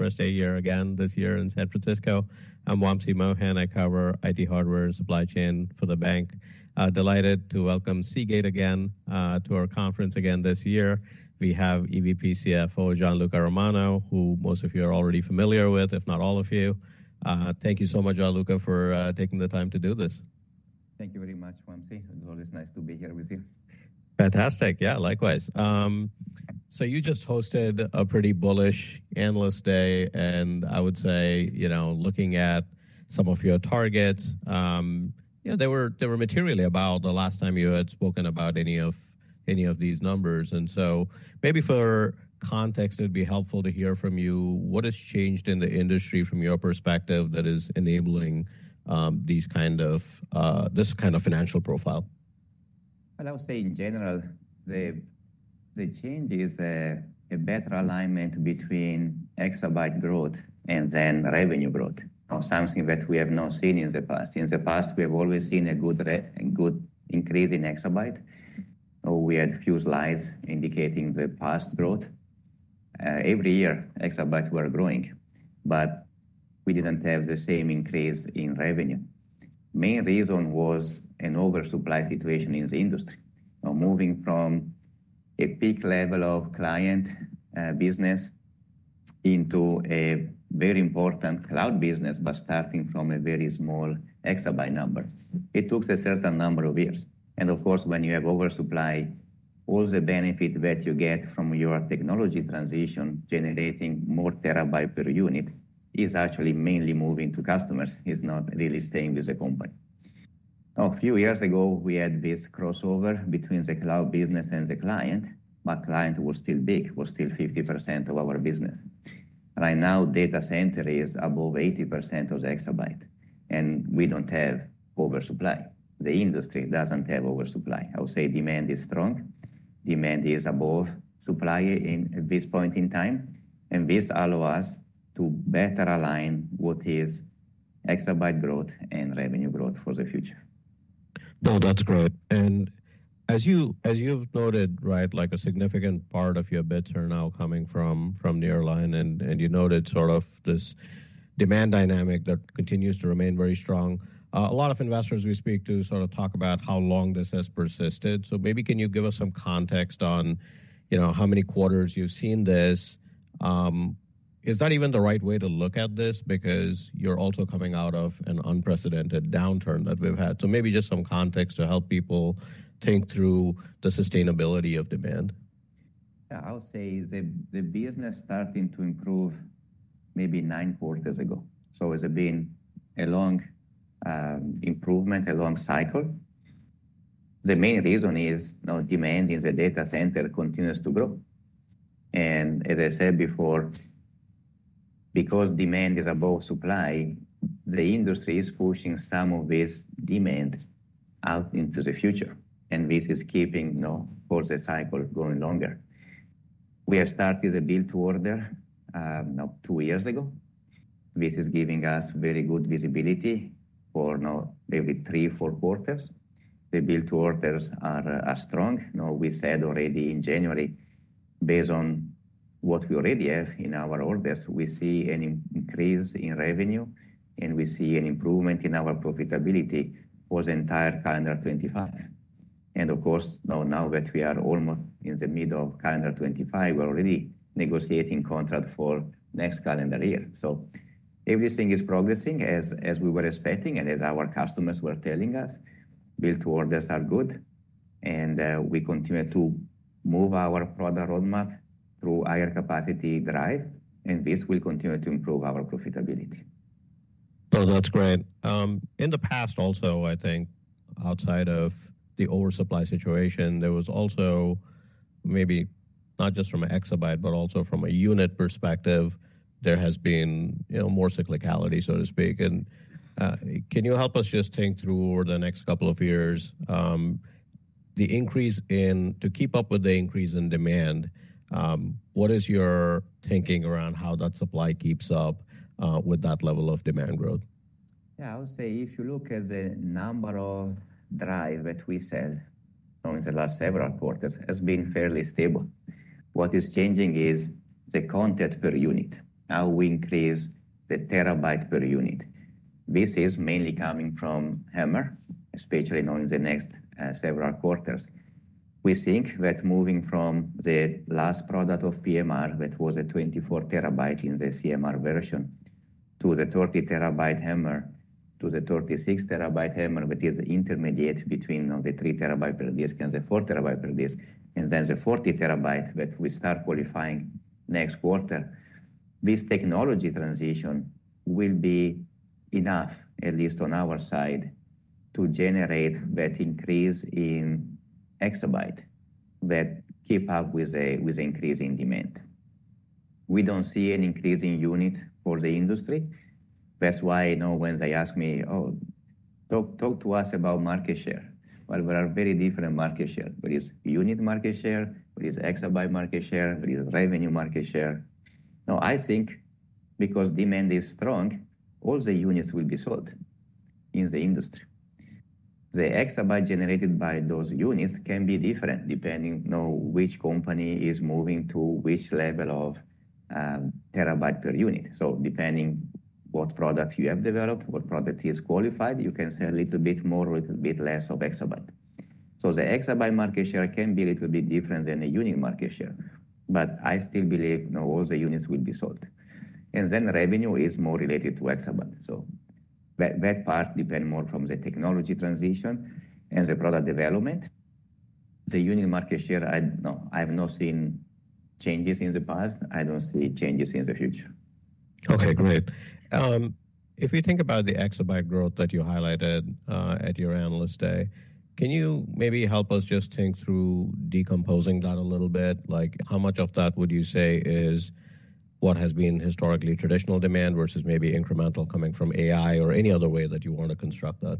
First day here again this year in San Francisco. I'm Wamsi Mohan. I cover IT hardware and supply chain for the bank. Delighted to welcome Seagate again to our conference again this year. We have EVP CFO, Gianluca Romano, who most of you are already familiar with, if not all of you. Thank you so much, Gianluca, for taking the time to do this. Thank you very much, Wamsi. It's always nice to be here with you. Fantastic. Yeah, likewise. You just hosted a pretty bullish analyst day, and I would say, you know, looking at some of your targets, you know, they were materially above the last time you had spoken about any of these numbers. Maybe for context, it'd be helpful to hear from you what has changed in the industry from your perspective that is enabling this kind of financial profile. I would say in general, the change is a better alignment between exabyte growth and then revenue growth, something that we have not seen in the past. In the past, we have always seen a good increase in exabyte. We had a few slides indicating the past growth. Every year, exabytes were growing, but we did not have the same increase in revenue. The main reason was an oversupply situation in the industry, moving from a peak level of client business into a very important cloud business, but starting from a very small exabyte number. It took a certain number of years. Of course, when you have oversupply, all the benefit that you get from your technology transition, generating more terabytes per unit, is actually mainly moving to customers. It is not really staying with the company. A few years ago, we had this crossover between the cloud business and the client, but client was still big, was still 50% of our business. Right now, data center is above 80% of the exabyte, and we do not have oversupply. The industry does not have oversupply. I would say demand is strong. Demand is above supply at this point in time, and this allows us to better align what is exabyte growth and revenue growth for the future. No, that's great. As you've noted, right, a significant part of your bids are now coming from Nearline, and you noted sort of this demand dynamic that continues to remain very strong. A lot of investors we speak to sort of talk about how long this has persisted. Maybe can you give us some context on, you know, how many quarters you've seen this? Is that even the right way to look at this? Because you're also coming out of an unprecedented downturn that we've had. Maybe just some context to help people think through the sustainability of demand. I would say the business started to improve maybe nine quarters ago. It has been a long improvement, a long cycle. The main reason is now demand in the data center continues to grow. As I said before, because demand is above supply, the industry is pushing some of this demand out into the future. This is keeping the cycle going longer. We have started the build order now two years ago. This is giving us very good visibility for now maybe three, four quarters. The build orders are strong. We said already in January, based on what we already have in our orders, we see an increase in revenue, and we see an improvement in our profitability for the entire calendar 2025. Of course, now that we are almost in the middle of calendar 2025, we are already negotiating contract for next calendar year. Everything is progressing as we were expecting and as our customers were telling us. Build orders are good, and we continue to move our product roadmap through higher capacity drive, and this will continue to improve our profitability. Oh, that's great. In the past, also, I think outside of the oversupply situation, there was also maybe not just from an exabyte, but also from a unit perspective, there has been more cyclicality, so to speak. Can you help us just think through over the next couple of years the increase in to keep up with the increase in demand? What is your thinking around how that supply keeps up with that level of demand growth? Yeah, I would say if you look at the number of drives that we sell in the last several quarters, it has been fairly stable. What is changing is the content per unit, how we increase the terabyte per unit. This is mainly coming from HAMR, especially now in the next several quarters. We think that moving from the last product of PMR that was a 24 TB in the CMR version to the 30 TB HAMR, to the 36 TB HAMR, which is intermediate between the 3 TB per disk and the 4 TB per disk, and then the 40 TB that we start qualifying next quarter, this technology transition will be enough, at least on our side, to generate that increase in exabyte that keeps up with the increase in demand. We don't see an increase in unit for the industry. That's why I know when they ask me, "Oh, talk to us about market share." We are very different market share. There is unit market share, there is exabyte market share, there is revenue market share. Now, I think because demand is strong, all the units will be sold in the industry. The exabyte generated by those units can be different depending on which company is moving to which level of terabyte per unit. Depending on what product you have developed, what product is qualified, you can sell a little bit more or a little bit less of exabyte. The exabyte market share can be a little bit different than the unit market share, but I still believe all the units will be sold. Revenue is more related to exabyte. That part depends more from the technology transition and the product development. The unit market share, I've not seen changes in the past. I don't see changes in the future. Okay, great. If you think about the exabyte growth that you highlighted at your analyst day, can you maybe help us just think through decomposing that a little bit? Like how much of that would you say is what has been historically traditional demand versus maybe incremental coming from AI or any other way that you want to construct that?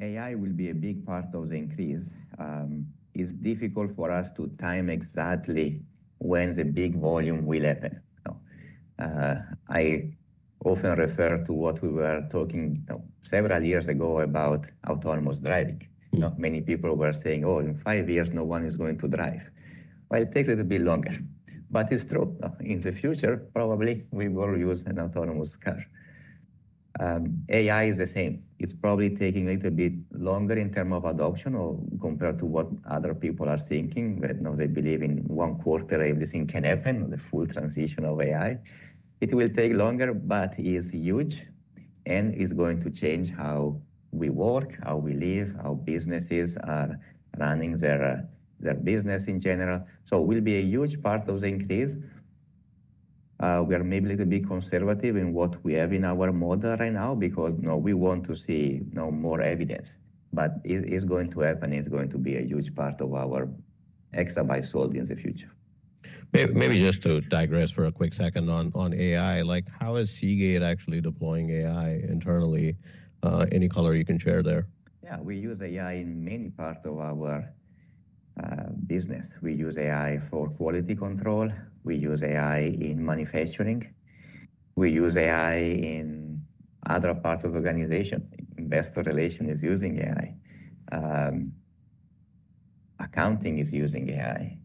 AI will be a big part of the increase. It's difficult for us to time exactly when the big volume will happen. I often refer to what we were talking several years ago about autonomous driving. Many people were saying, "Oh, in five years, no one is going to drive." It takes a little bit longer, but it's true. In the future, probably we will use an autonomous car. AI is the same. It's probably taking a little bit longer in terms of adoption compared to what other people are thinking. They believe in one quarter, everything can happen, the full transition of AI. It will take longer, but it's huge, and it's going to change how we work, how we live, how businesses are running their business in general. It will be a huge part of the increase. We are maybe a little bit conservative in what we have in our model right now because we want to see more evidence. It is going to happen, and it is going to be a huge part of our exabyte sold in the future. Maybe just to digress for a quick second on AI, like how is Seagate actually deploying AI internally? Any color you can share there? Yeah, we use AI in many parts of our business. We use AI for quality control. We use AI in manufacturing. We use AI in other parts of the organization. Investor relation is using AI. Accounting is using AI.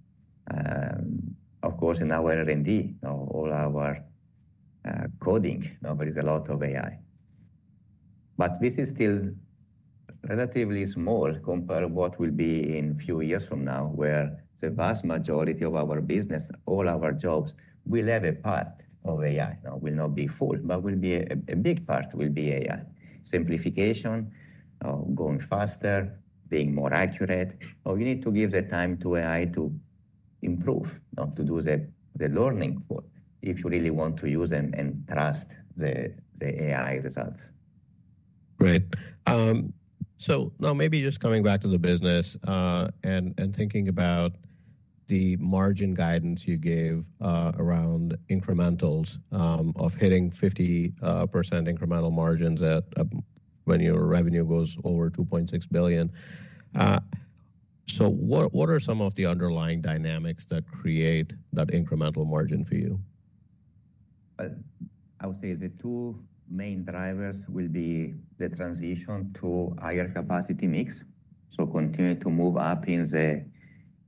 Of course, in our R&D, all our coding, there is a lot of AI. This is still relatively small compared to what will be in a few years from now, where the vast majority of our business, all our jobs, will have a part of AI. It will not be full, but a big part will be AI. Simplification, going faster, being more accurate. We need to give the time to AI to improve, to do the learning for if you really want to use them and trust the AI results. Great. Now maybe just coming back to the business and thinking about the margin guidance you gave around incrementals of hitting 50% incremental margins when your revenue goes over $2.6 billion. What are some of the underlying dynamics that create that incremental margin for you? I would say the two main drivers will be the transition to higher capacity mix. Continue to move up in the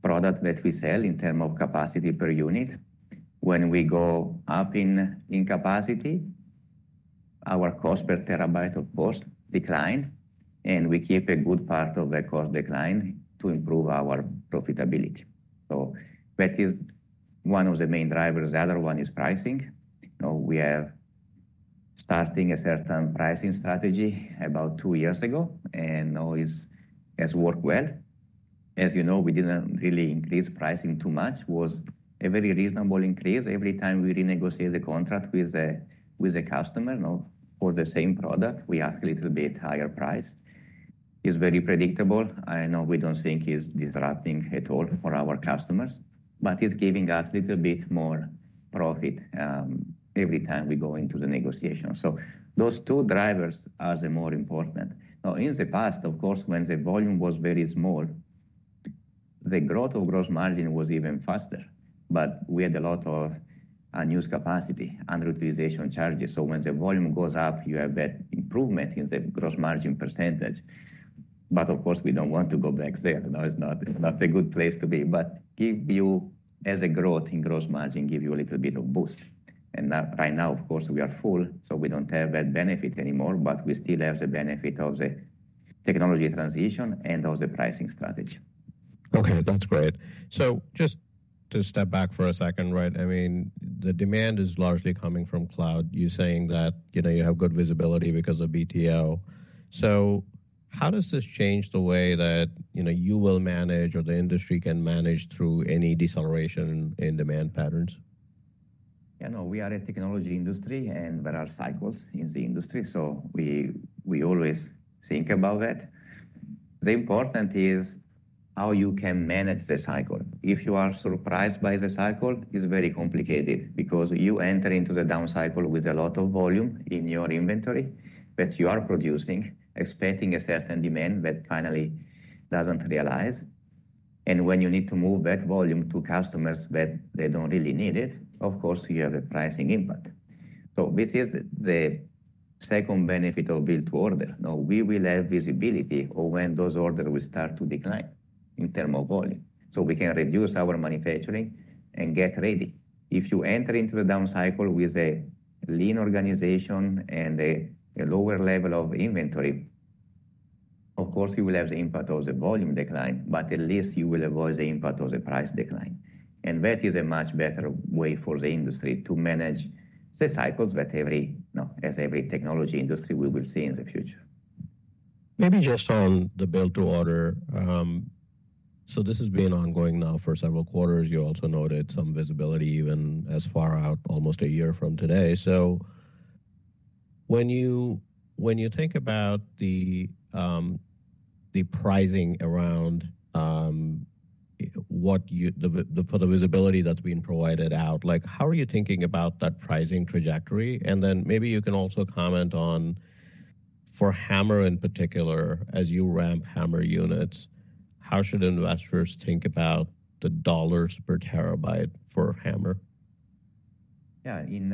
product that we sell in terms of capacity per unit. When we go up in capacity, our cost per terabyte of cost declines, and we keep a good part of the cost decline to improve our profitability. That is one of the main drivers. The other one is pricing. We are starting a certain pricing strategy about two years ago, and it has worked well. As you know, we did not really increase pricing too much. It was a very reasonable increase. Every time we renegotiate the contract with a customer for the same product, we ask a little bit higher price. It is very predictable. I know we don't think it's disrupting at all for our customers, but it's giving us a little bit more profit every time we go into the negotiation. Those two drivers are the more important. In the past, of course, when the volume was very small, the growth of gross margin was even faster, but we had a lot of unused capacity, underutilization charges. When the volume goes up, you have that improvement in the gross margin percentage. Of course, we don't want to go back there. That's not a good place to be, but give you as a growth in gross margin, give you a little bit of boost. Right now, of course, we are full, so we don't have that benefit anymore, but we still have the benefit of the technology transition and of the pricing strategy. Okay, that's great. Just to step back for a second, right? I mean, the demand is largely coming from cloud. You're saying that you have good visibility because of BTO. How does this change the way that you will manage or the industry can manage through any deceleration in demand patterns? Yeah, no, we are a technology industry, and there are cycles in the industry, so we always think about that. The important thing is how you can manage the cycle. If you are surprised by the cycle, it's very complicated because you enter into the down cycle with a lot of volume in your inventory that you are producing, expecting a certain demand that finally doesn't realize. When you need to move that volume to customers that they don't really need it, of course, you have a pricing impact. This is the second benefit of build order. Now, we will have visibility of when those orders will start to decline in terms of volume. We can reduce our manufacturing and get ready. If you enter into the down cycle with a lean organization and a lower level of inventory, of course, you will have the impact of the volume decline, but at least you will avoid the impact of the price decline. That is a much better way for the industry to manage the cycles that every technology industry will see in the future. Maybe just on the build order. This has been ongoing now for several quarters. You also noted some visibility even as far out, almost a year from today. When you think about the pricing around for the visibility that's being provided out, how are you thinking about that pricing trajectory? Maybe you can also comment on for HAMR in particular, as you ramp HAMR units, how should investors think about the dollars per terabyte for HAMR? Yeah, in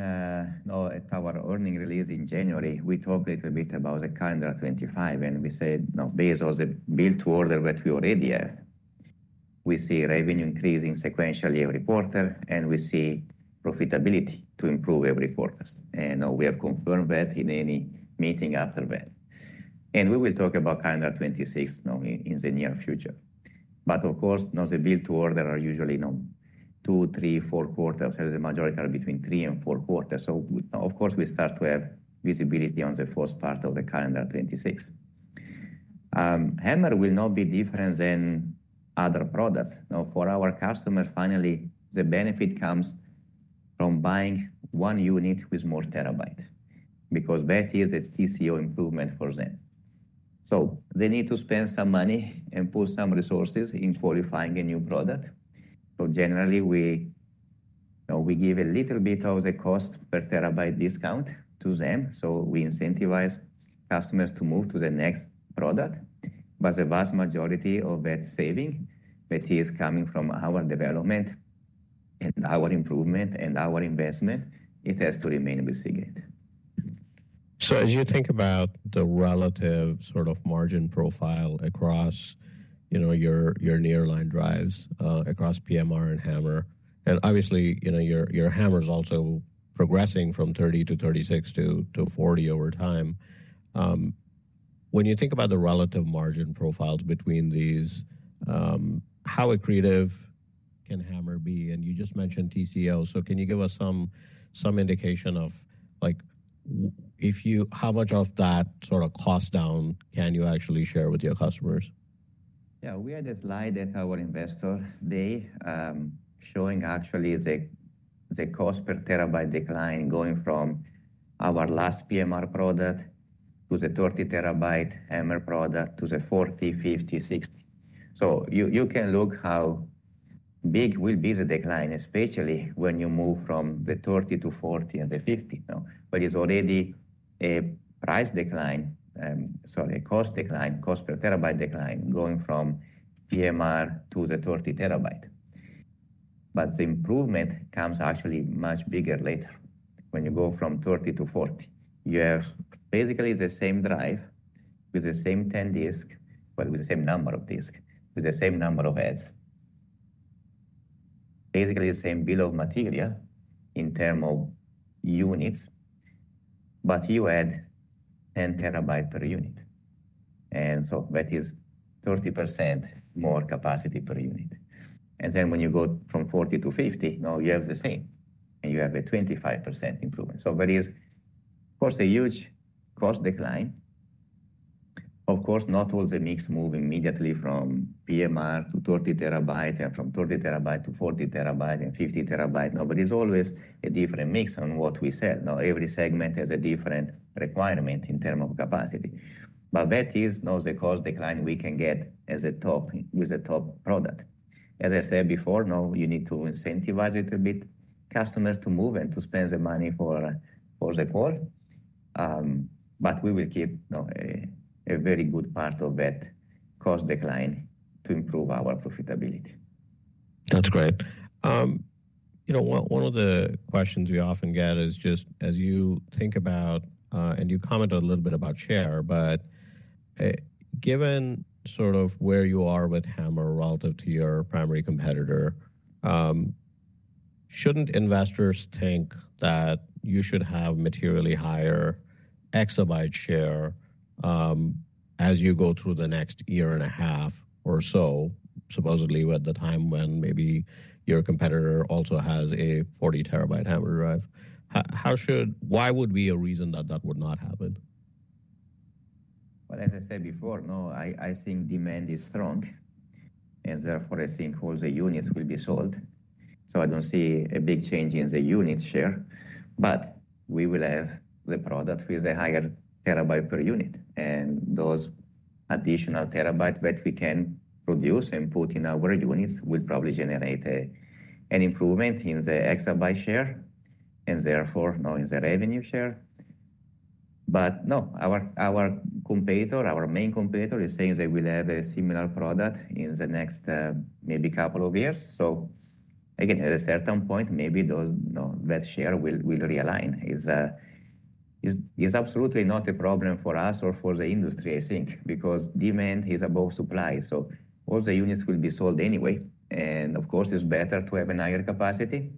our earning release in January, we talked a little bit about the calendar 2025, and we said now based on the build order that we already have, we see revenue increasing sequentially every quarter, and we see profitability to improve every quarter. We have confirmed that in any meeting after that. We will talk about calendar 2026 in the near future. Of course, now the build order are usually two, three, four quarters, and the majority are between three and four quarters. Of course, we start to have visibility on the first part of the calendar 2026. HAMR will not be different than other products. Now, for our customer, finally, the benefit comes from buying one unit with more terabyte because that is a TCO improvement for them. They need to spend some money and put some resources in qualifying a new product. Generally, we give a little bit of the cost per terabyte discount to them. We incentivize customers to move to the next product. The vast majority of that saving, that is coming from our development and our improvement and our investment, it has to remain with Seagate. As you think about the relative sort of margin profile across your nearline drives, across PMR and HAMR, and obviously, your HAMR is also progressing from 30 to 36 to 40 over time. When you think about the relative margin profiles between these, how accretive can HAMR be? You just mentioned TCO. Can you give us some indication of how much of that sort of cost down can you actually share with your customers? Yeah, we had a slide at our investor day showing actually the cost per terabyte decline going from our last PMR product to the 30 TB HAMR product to the 40, 50, 60. You can look how big will be the decline, especially when you move from the 30 to 40 and the 50. It's already a price decline, sorry, a cost decline, cost per terabyte decline going from PMR to the 30 TB. The improvement comes actually much bigger later when you go from 30 to 40. You have basically the same drive with the same 10 disks, with the same number of disks, with the same number of heads. Basically, the same bill of material in terms of units, but you add 10 TB per unit. That is 30% more capacity per unit. When you go from 40 to 50, now you have the same, and you have a 25% improvement. There is, of course, a huge cost decline. Of course, not all the mix is moving immediately from PMR to 30 TB and from 30 TB to 40 TB and 50 terabyte. No, but it's always a different mix on what we sell. Every segment has a different requirement in terms of capacity. That is now the cost decline we can get as a top with a top product. As I said before, you need to incentivize it a bit, customers to move and to spend the money for the core. We will keep a very good part of that cost decline to improve our profitability. That's great. One of the questions we often get is just as you think about, and you commented a little bit about share, but given sort of where you are with HAMR relative to your primary competitor, shouldn't investors think that you should have materially higher exabyte share as you go through the next year and a half or so, supposedly at the time when maybe your competitor also has a 40 TB HAMR drive? Why would be a reason that that would not happen? I think demand is strong. Therefore, I think all the units will be sold. I do not see a big change in the unit share. We will have the product with a higher terabyte per unit. Those additional terabyte that we can produce and put in our units will probably generate an improvement in the exabyte share and therefore in the revenue share. Our competitor, our main competitor, is saying they will have a similar product in the next maybe couple of years. Again, at a certain point, maybe that share will realign. It is absolutely not a problem for us or for the industry, I think, because demand is above supply. All the units will be sold anyway. Of course, it is better to have a higher capacity.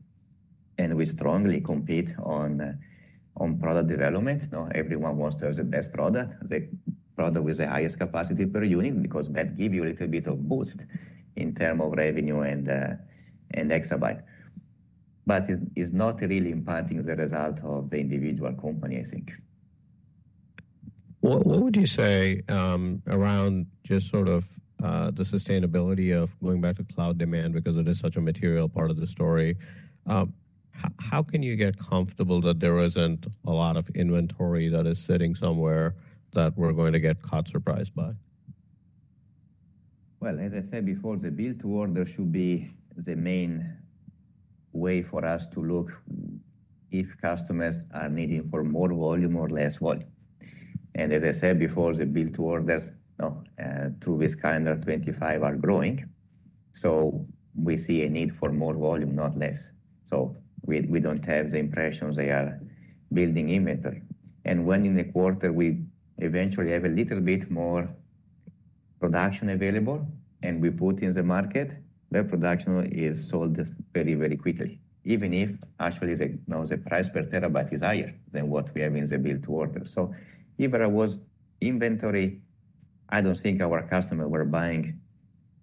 We strongly compete on product development. Everyone wants to have the best product, the product with the highest capacity per unit because that gives you a little bit of boost in terms of revenue and exabyte. It is not really impacting the result of the individual company, I think. What would you say around just sort of the sustainability of going back to cloud demand because it is such a material part of the story? How can you get comfortable that there isn't a lot of inventory that is sitting somewhere that we're going to get caught surprised by? As I said before, the build order should be the main way for us to look if customers are needing more volume or less volume. As I said before, the build orders through this calendar 2025 are growing. We see a need for more volume, not less. We do not have the impression they are building inventory. When in the quarter we eventually have a little bit more production available and we put it in the market, that production is sold very, very quickly, even if actually the price per terabyte is higher than what we have in the build order. If there was inventory, I do not think our customers were buying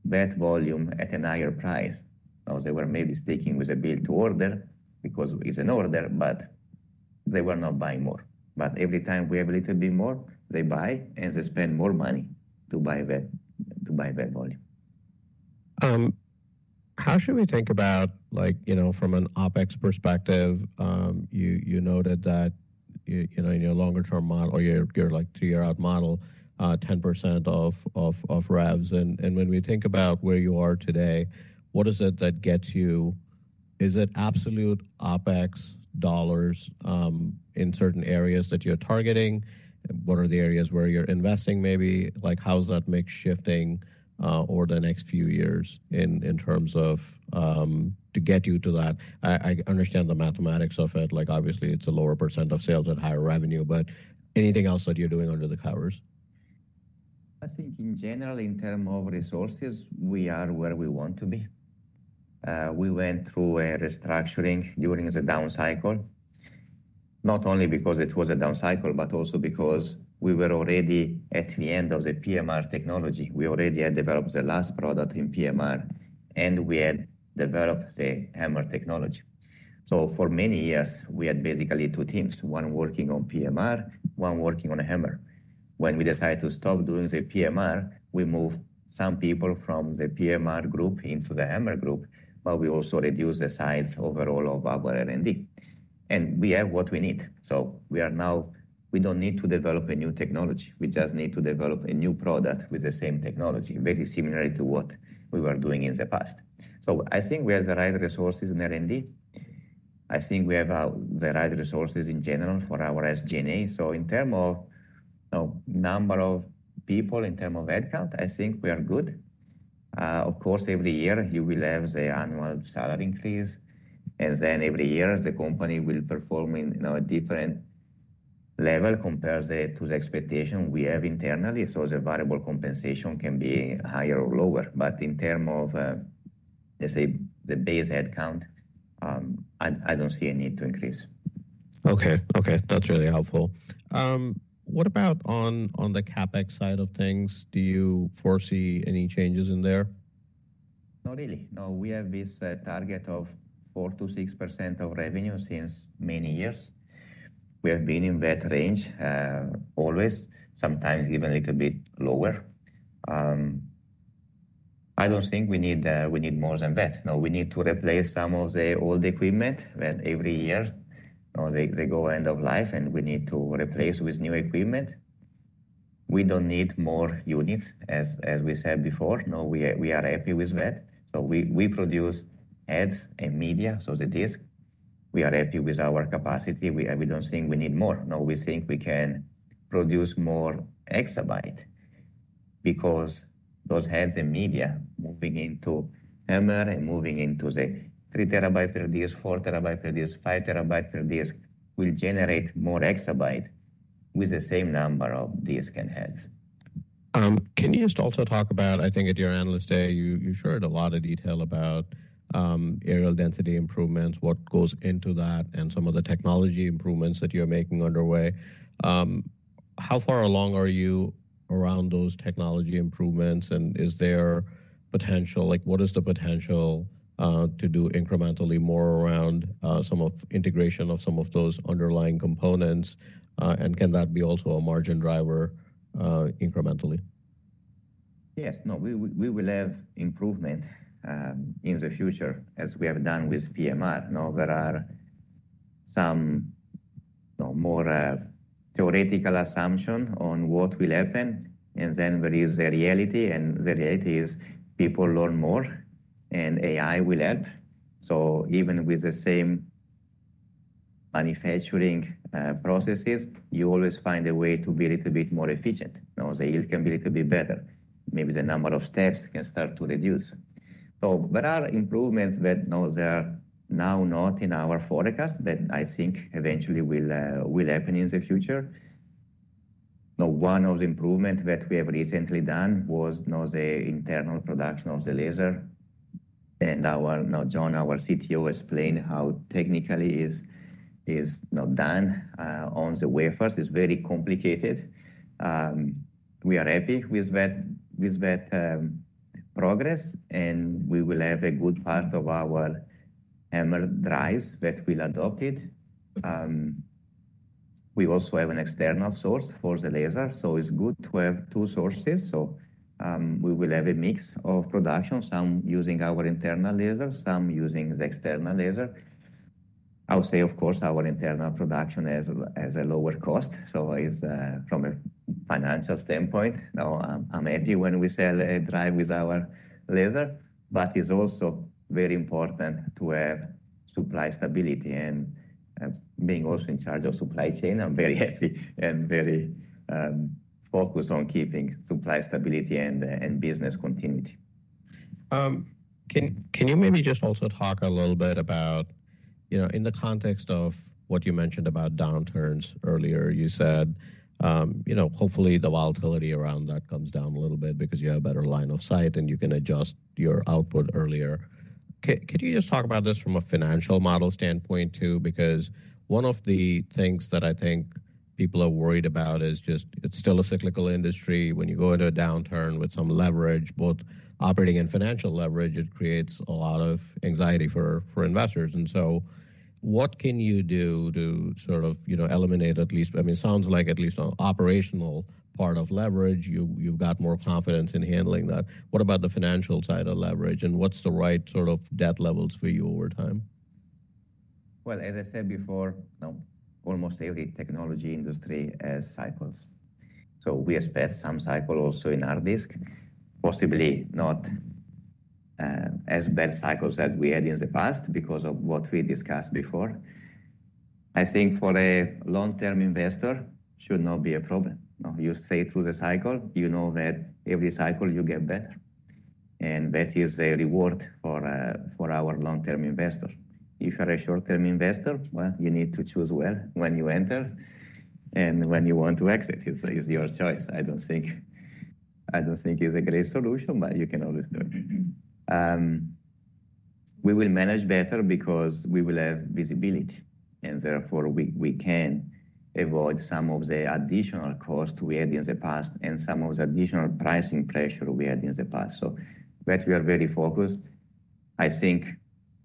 that volume at a higher price. They were maybe sticking with a build order because it is an order, but they were not buying more. Every time we have a little bit more, they buy and they spend more money to buy that volume. How should we think about, from an OpEx perspective, you noted that in your longer-term model or your three-year-out model, 10% of revs. And when we think about where you are today, what is it that gets you? Is it absolute OpEx dollars in certain areas that you're targeting? What are the areas where you're investing maybe? How does that make shifting over the next few years in terms of to get you to that? I understand the mathematics of it. Obviously, it's a lower % of sales and higher revenue, but anything else that you're doing under the covers? I think in general, in terms of resources, we are where we want to be. We went through a restructuring during the down cycle, not only because it was a down cycle, but also because we were already at the end of the PMR technology. We already had developed the last product in PMR, and we had developed the HAMR technology. For many years, we had basically two teams, one working on PMR, one working on HAMR. When we decided to stop doing the PMR, we moved some people from the PMR group into the HAMR group, but we also reduced the size overall of our R&D. We have what we need. We are now, we do not need to develop a new technology. We just need to develop a new product with the same technology, very similar to what we were doing in the past. I think we have the right resources in R&D. I think we have the right resources in general for our SG&A. In terms of number of people, in terms of headcount, I think we are good. Of course, every year, you will have the annual salary increase. Every year, the company will perform in a different level compared to the expectation we have internally. The variable compensation can be higher or lower. In terms of, let's say, the base headcount, I don't see a need to increase. Okay. Okay. That's really helpful. What about on the CapEx side of things? Do you foresee any changes in there? Not really. No, we have this target of 4%-6% of revenue since many years. We have been in that range always, sometimes even a little bit lower. I do not think we need more than that. No, we need to replace some of the old equipment that every year, they go end of life, and we need to replace with new equipment. We do not need more units, as we said before. No, we are happy with that. We produce heads and media, so the disk. We are happy with our capacity. We do not think we need more. No, we think we can produce more exabyte because those heads and media moving into HAMR and moving into the 3 TB per disk, 4 TB per disk, 5 TB per disk will generate more exabyte with the same number of disks and heads. Can you just also talk about, I think at your analyst day, you shared a lot of detail about aerial density improvements, what goes into that, and some of the technology improvements that you're making underway. How far along are you around those technology improvements? Is there potential? What is the potential to do incrementally more around some of integration of some of those underlying components? Can that be also a margin driver incrementally? Yes. No, we will have improvement in the future as we have done with PMR. Now, there are some more theoretical assumptions on what will happen. There is the reality. The reality is people learn more, and AI will help. Even with the same manufacturing processes, you always find a way to be a little bit more efficient. The yield can be a little bit better. Maybe the number of steps can start to reduce. There are improvements that now are not in our forecast, but I think eventually will happen in the future. One of the improvements that we have recently done was the internal production of the laser. Now, John, our CTO, explained how technically it is done on the wafers. It is very complicated. We are happy with that progress. We will have a good part of our HAMR drives that we adopted. We also have an external source for the laser. It is good to have two sources. We will have a mix of production, some using our internal laser, some using the external laser. I'll say, of course, our internal production has a lower cost. From a financial standpoint, no, I'm happy when we sell a drive with our laser. It is also very important to have supply stability. Being also in charge of supply chain, I'm very happy and very focused on keeping supply stability and business continuity. Can you maybe just also talk a little bit about, in the context of what you mentioned about downturns earlier, you said hopefully the volatility around that comes down a little bit because you have a better line of sight and you can adjust your output earlier. Could you just talk about this from a financial model standpoint too? Because one of the things that I think people are worried about is just it's still a cyclical industry. When you go into a downturn with some leverage, both operating and financial leverage, it creates a lot of anxiety for investors. What can you do to sort of eliminate at least, I mean, it sounds like at least on the operational part of leverage, you've got more confidence in handling that. What about the financial side of leverage? What's the right sort of debt levels for you over time? As I said before, almost every technology industry has cycles. We expect some cycle also in our disk, possibly not as bad cycles as we had in the past because of what we discussed before. I think for a long-term investor, it should not be a problem. You stay through the cycle. You know that every cycle you get better. That is a reward for our long-term investors. If you are a short-term investor, you need to choose well when you enter and when you want to exit. It's your choice. I don't think it's a great solution, but you can always do it. We will manage better because we will have visibility. Therefore, we can avoid some of the additional costs we had in the past and some of the additional pricing pressure we had in the past. We are very focused. I think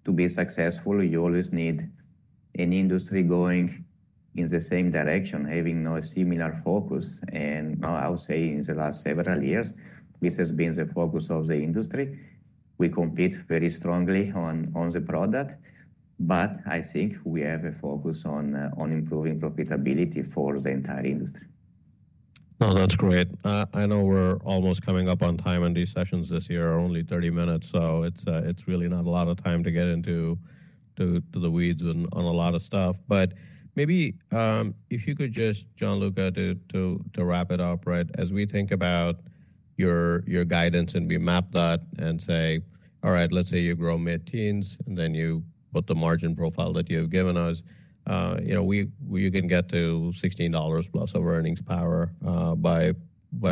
to be successful, you always need an industry going in the same direction, having no similar focus. I would say in the last several years, this has been the focus of the industry. We compete very strongly on the product. I think we have a focus on improving profitability for the entire industry. No, that's great. I know we're almost coming up on time on these sessions this year. Only 30 minutes. It is really not a lot of time to get into the weeds on a lot of stuff. Maybe if you could just, John, look at it to wrap it up, right? As we think about your guidance and we map that and say, all right, let's say you grow mid-teens and then you put the margin profile that you have given us, you can get to $16 plus of earnings power by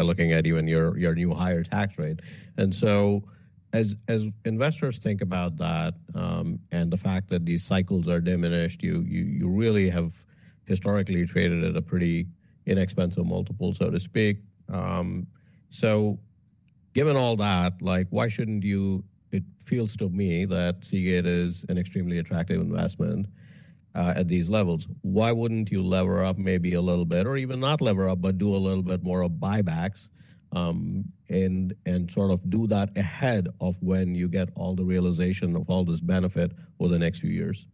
looking at you and your new higher tax rate. As investors think about that and the fact that these cycles are diminished, you really have historically traded at a pretty inexpensive multiple, so to speak. Given all that, why shouldn't you? It feels to me that Seagate is an extremely attractive investment at these levels. Why wouldn't you lever up maybe a little bit or even not lever up, but do a little bit more of buybacks and sort of do that ahead of when you get all the realization of all this benefit over the next few years?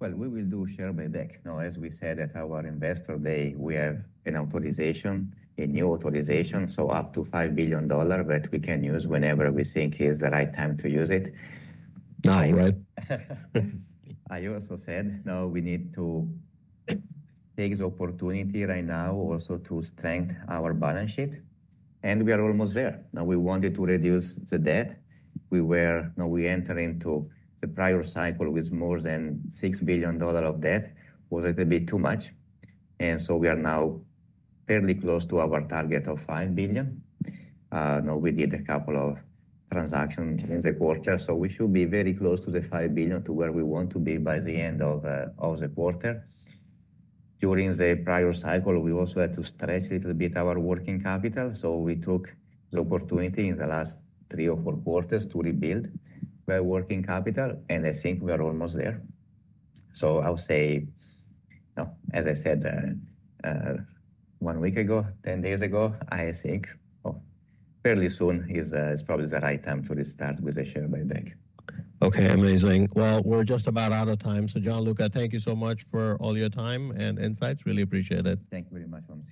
We will do share buyback. Now, as we said at our investor day, we have an authorization, a new authorization, so up to $5 billion that we can use whenever we think is the right time to use it. Now, right? I also said, no, we need to take the opportunity right now also to strengthen our balance sheet. We are almost there. Now, we wanted to reduce the debt. We entered into the prior cycle with more than $6 billion of debt. It was a little bit too much. We are now fairly close to our target of $5 billion. We did a couple of transactions in the quarter. We should be very close to the $5 billion to where we want to be by the end of the quarter. During the prior cycle, we also had to stretch a little bit our working capital. We took the opportunity in the last three or four quarters to rebuild our working capital. I think we are almost there. I'll say, as I said one week ago, 10 days ago, I think fairly soon is probably the right time to restart with the share buyback. Okay. Amazing. We are just about out of time. John, Gianluca, thank you so much for all your time and insights. Really appreciate it. Thank you very much, Michael.